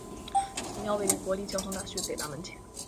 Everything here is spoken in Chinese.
此庙位于国立交通大学北大门前。